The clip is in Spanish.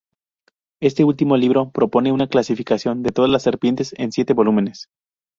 Este último libro propone una clasificación de todas las serpientes en siete volúmenes.